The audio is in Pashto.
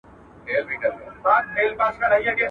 نن به زه هم يا مُلا يا به کوټوال واى.